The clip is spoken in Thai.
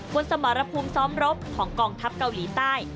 สมรภูมิซ้อมรบของกองทัพเกาหลีใต้